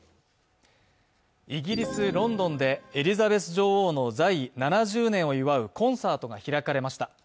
イギリス・ロンドンで、エリザベス女王の在位７０年を祝うコンサートが開かれました。